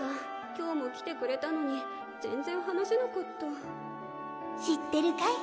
今日も来てくれたのに全然話せなかった知ってるかい？